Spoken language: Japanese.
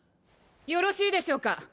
よろしいでしょうか。